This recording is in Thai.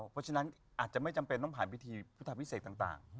เพราะฉะนั้นอาจจะไม่จำเป็นต้องผ่านพิธีพุทธพิเศษต่าง